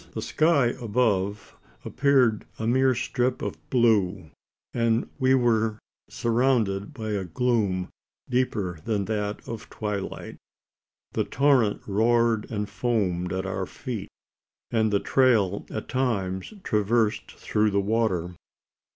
The sky above appeared a mere strip of blue; and we were surrounded by a gloom deeper than that of twilight. The torrent roared and foamed at our feet; and the trail at times traversed through the water.